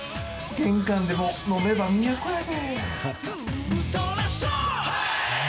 玄関でも、飲めば都やで。